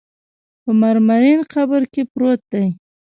په مرمرین قبر کې پروت دی.